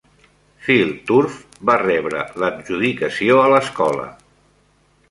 FieldTurf va rebre l'adjudicació a l'escola.